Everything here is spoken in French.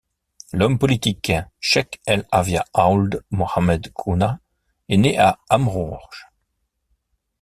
L'homme politique Cheikh El Avia Ould Mohamed Khouna est né à Amourj.